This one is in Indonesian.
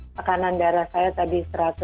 tekanan darah saya tadi satu ratus empat belas